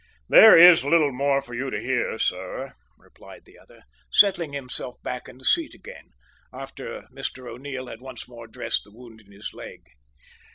"There is little more for you to hear, sir," replied the other, settling himself back in his seat again, after Mr O'Neil had once more dressed the wound in his leg.